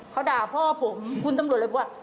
เขาด่าพ่อผมคุณตำรวจเลยบอกว่า